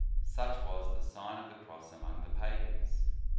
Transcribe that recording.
Such was the Sign of the Cross among the pagans.